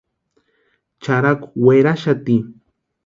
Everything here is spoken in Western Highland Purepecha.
Charhaku werhaxati.